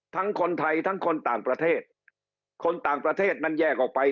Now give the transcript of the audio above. ทั้งคนไทยทั้งคนต่างประเทศคนต่างประเทศนั้นแยกออกไป